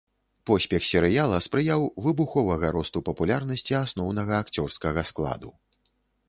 Поспех серыяла спрыяў выбуховага росту папулярнасці асноўнага акцёрскага складу.